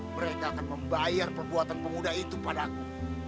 mereka akan membayar perbuatan pemuda itu padaku